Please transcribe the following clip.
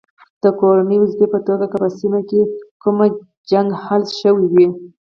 د کورنۍ دندې په توګه که په سیمه کې کومه شخړه حل شوې وي.